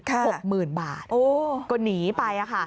๖หมื่นบาทก็หนีไปค่ะ